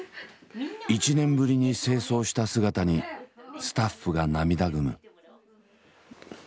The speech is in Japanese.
１年ぶりに正装した姿にスタッフが涙ぐむ。